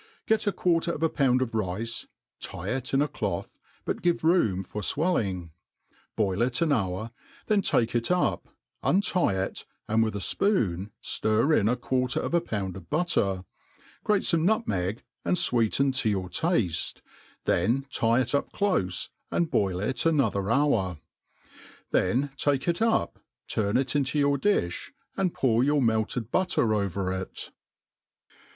' GET a quarter of a pound of rice, tie it in a cloth, but give room for fwelling. Boil it an hour, then take it up, untie it, .and with a fpoon ftir in a quarter of a pound of butter, grate fctoac nutmeg, and fweeten to your tafte, then tie it up clofc, and boil it another hour ; then take it up, turn it into yoql difliy and pour your melted butter over it.